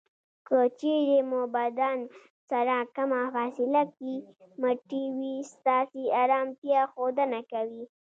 که چېرې مو بدن سره کمه فاصله کې مټې وي ستاسې ارامتیا ښودنه کوي.